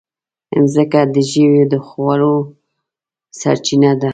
مځکه د ژويو د خوړو سرچینه ده.